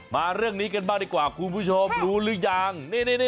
มาเรื่องนี้กันบ้างดีกว่าคุณผู้ชมรู้หรือยัง